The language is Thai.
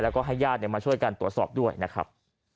แล้วก็ให้ญาติมาช่วยกันตรวจสอบด้วยนะครับ